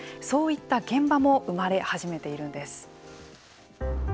そういった現場も生まれ始めているんです。